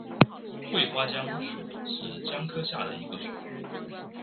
喙花姜属是姜科下的一个属。